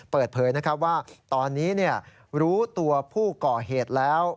เปิดเผยว่าตอนนี้รู้ตัวผู้ก่อเหตุแล้ว